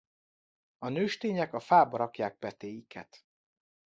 A nőstények a fába rakják petéiket.